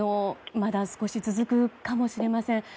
まだ少し続くかもしれません。